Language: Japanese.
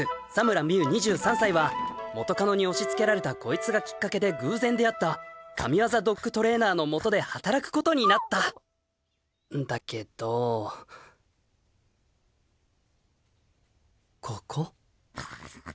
２３歳は元カノに押しつけられたこいつがきっかけで偶然出会った神業ドッグトレーナーのもとで働くことになったんだけどここ？